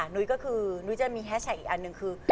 หนุ๊ยจะมีแฮชแท็กอีกอันหนึ่งคือ